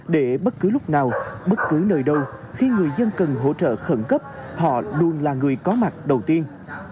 để bất cứ lúc nào bất cứ nơi đâu khi người dân cần hỗ trợ khẩn cấp họ luôn là người có mặt đầu tiên